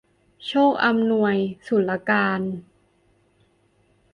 โชคอำนวย สุรการ